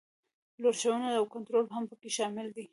لارښوونه او کنټرول هم پکې شامل دي.